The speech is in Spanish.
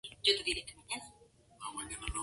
Es la sede del obispado de Tarbes y Lourdes.